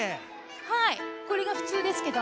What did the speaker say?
はいこれがふつうですけど。